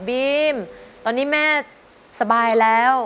บีมตอนนี้แม่สบายแล้ว